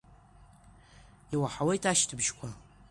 Иуаҳауеит ашьҭыбжьқәа.